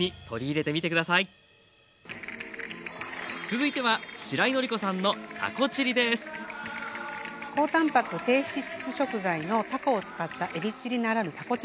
続いてはしらいのりこさんの高たんぱく低脂質食材のたこを使ったえびチリならぬたこ